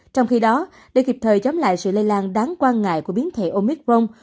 trong khi đó để kịp thời chống lại sự lây lan đáng quan ngại của biến thể omicron